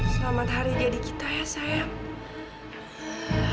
selamat hari jadi kita ya saya